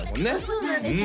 そうなんですよ